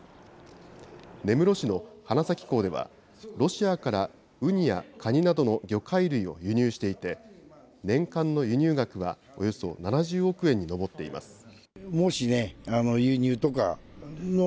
根室市の花咲港では、ロシアからウニやカニなどの魚介類を輸入していて、年間の輸入額はおよそ７０億円に上っています。